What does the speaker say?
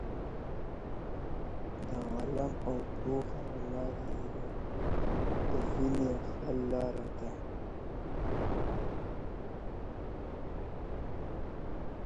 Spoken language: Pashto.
د علم او پوهې لاره یوازینۍ حل لاره ده.